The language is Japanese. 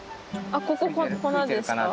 あっここ粉ですか？